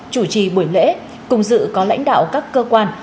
chủ trì buổi lễ cùng dự có lãnh đạo các cơ quan